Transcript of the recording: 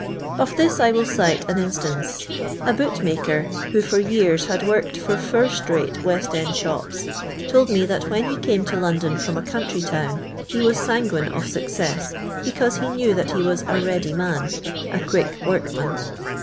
Of this I will cite an in stance: a bootmaker, who fur years had worked for first rate West end shops, told me that when he came to London from a country town he was sanguine of success, because he knew that he was a read If man (a quick workman.)